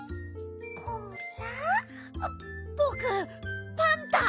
ぼくパンタ！